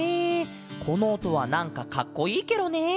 このおとはなんかかっこいいケロね！